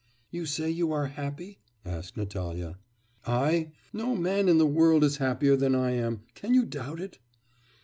'... 'You say you are happy?' asked Natalya. 'I? No man in the world is happier than I am! Can you doubt it?